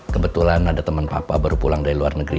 kebetulan ada teman papa baru pulang dari luar negeri